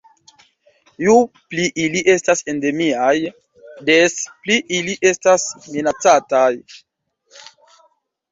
Ju pli ili estas endemiaj, des pli ili estas minacataj.